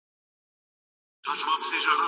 ماشوم د غونډۍ له سره په ډېرې بې وسۍ راکښته شو.